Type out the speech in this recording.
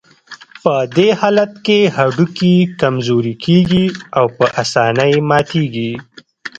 په دې حالت کې هډوکي کمزوري کېږي او په آسانۍ ماتېږي.